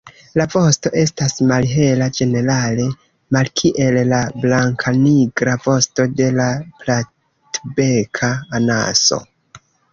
La vosto estas malhela ĝenerale, malkiel la blankanigra vosto de la Platbeka anaso.